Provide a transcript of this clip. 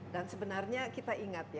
dan sebenarnya kita ingat